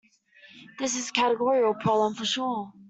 This is a categorical problem for sure.